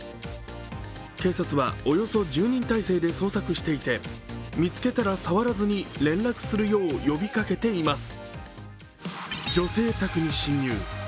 警察はおよそ１０人態勢で捜索していて、見つけたら触らずに連絡するよう呼びかけています。